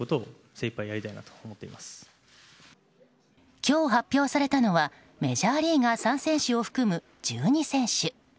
今日発表されたのはメジャーリーガー３選手を含む１２選手。